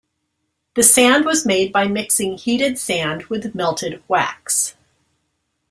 The sand was made by mixing heated sand with melted wax.